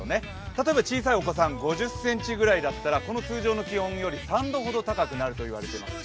例えば小さいお子さん、５０ｃｍぐらいだったらこの通常の気温より３度ほど高くなると言われています。